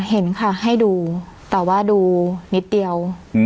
เห็นค่ะให้ดูแต่ว่าดูนิดเดียว